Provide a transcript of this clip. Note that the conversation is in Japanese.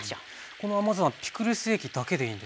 この甘酢あんピクルス液だけでいいんですね。